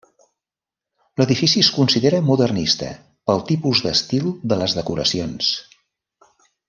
L'edifici es considera modernista pel tipus d'estil de les decoracions.